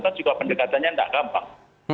kan juga pendekatannya tidak gampang